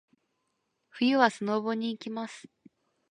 冬はスノボに行きます。